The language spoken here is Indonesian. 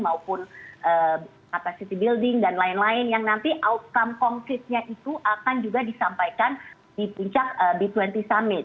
maupun capacity building dan lain lain yang nanti outcome concretnya itu akan juga disampaikan di puncak b dua puluh summit